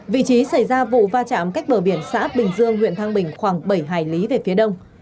vị trí xảy ra vụ va chạm cách bờ biển xã bình dương huyện thăng bình khoảng bảy hải lý về phía đông